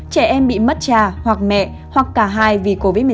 trẻ em bị mất cha hoặc mẹ hoặc cả hai vì covid một mươi chín